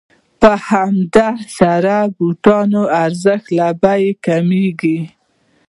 په همدې سره د بوټانو ارزښت له بیې کمېږي